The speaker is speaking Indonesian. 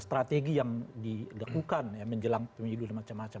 strategi yang digegukan ya menjelang pemilu dan macam macam